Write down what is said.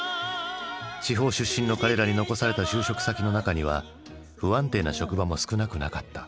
地方出身の彼らに残された就職先の中には不安定な職場も少なくなかった。